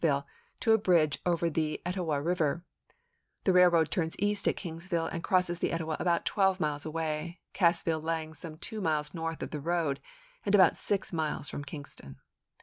l ville to a bridge over the Etowah River; the railroad turns east at Kingston and crosses the Etowah about twelve miles away, Cassville lying some two miles north of the road and about six miles from Kingston.